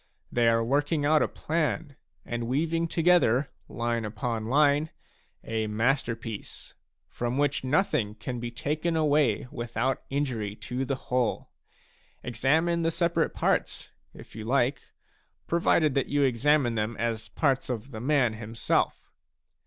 They are working out a plan and weaving together, line upon line, a masterpiece, from w.hich nothing can be taken away without injury to the whole. Examine the separate parts, if you like, provided you examine them as parts of the man himself.